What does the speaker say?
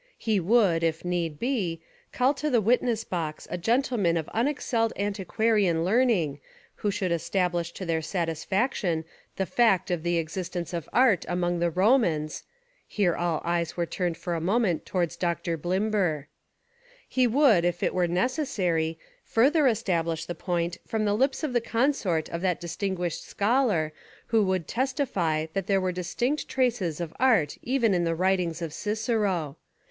He would, if need be, call to the witness box a gentleman of un excelled antiquarian learning who should es tablish to their satisfaction the fact of the ex istence of art among the Romans (here all eyes were turned for a moment towards Dr. Blimber). He would, if it were necessary, further establish the point from the lips of the consort of that distinguished scholar who would testify that there were distinct traces of art even in the writings of Cicero.